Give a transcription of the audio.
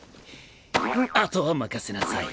後は任せなさい。